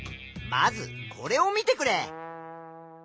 まずこれを見てくれ。